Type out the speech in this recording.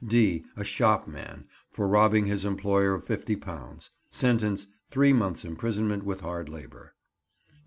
(d) A shopman, for robbing his employer of £50: sentence, three months' imprisonment with hard labour.